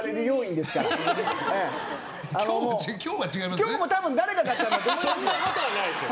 今日もたぶん誰かだったんだと思いますよ。